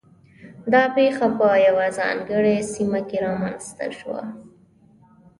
دا پېښه په یوه ځانګړې سیمه کې رامنځته شوه